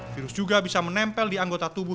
virus juga bisa menempel di anggota tubuh